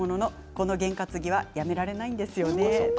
この験担ぎはやめられないんですよね。